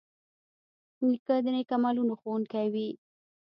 نیکه د نیک عملونو ښوونکی وي.